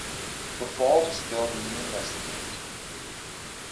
The fault is still being investigated.